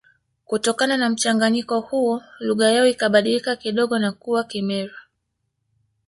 Kutokana na mchanganyiko huo lugha yao ikabadilika kidogo na kuwa Kimeru